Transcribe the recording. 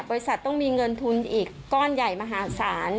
บริษัทต้องมีเงินทุนอีกก้อนใหญ่มหาศาล